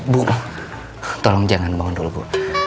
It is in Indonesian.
bu tolong jangan bangun dulu bu